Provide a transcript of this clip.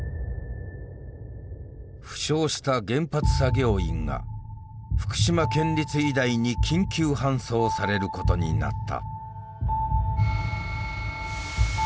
負傷した原発作業員が福島県立医大に緊急搬送されることになった。